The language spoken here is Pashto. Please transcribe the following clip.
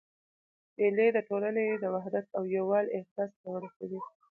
مېلې د ټولني د وحدت او یووالي احساس پیاوړی کوي.